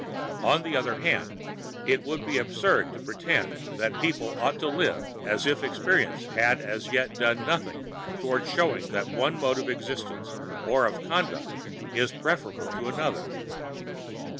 On the other hand, it would be absurd to pretend that people ought to live as if experience had as yet done nothing towards showing that one mode of existence or of conduct is preferable to another.